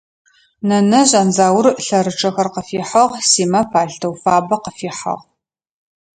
Нэнэжъ Андзаур лъэрычъэхэр къыфихьыгъ, Симэ палътэу фабэ къыфихьыгъ.